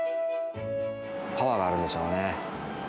パワーがあるんでしょうね。